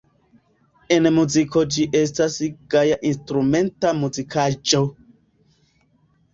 En muziko ĝi estas gaja instrumenta muzikaĵo.